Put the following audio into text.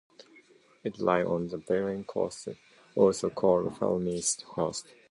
It lies on the Belgian coast, also called Flemish coast.